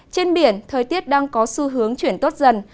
trên biển thời tiết đang có xu hướng chuyển tốt dần